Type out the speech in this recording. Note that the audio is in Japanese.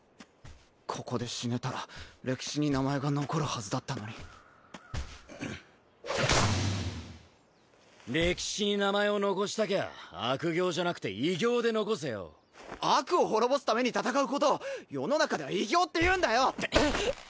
ここで死ねたら歴史に名前が残るはずだったのに歴史に名前を残したきゃ悪行じゃなくて偉業で残せよ悪を滅ぼすために戦うことを世の中では偉業って言うんだよ！